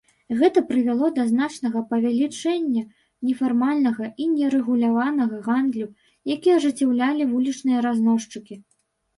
Гэта прывяло да значнага павелічэння нефармальнага і нерэгуляванага гандлю, які ажыццяўлялі вулічныя разносчыкі.